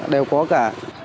đều có cả